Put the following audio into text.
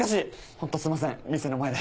ホントすいません店の前で。